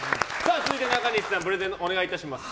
続いて中西さんプレゼンをお願いいたします。